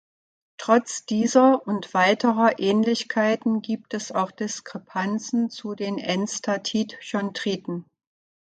Trotz dieser und weiterer Ähnlichkeiten gibt es auch Diskrepanzen zu den Enstatit-Chondriten.